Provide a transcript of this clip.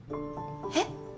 えっ？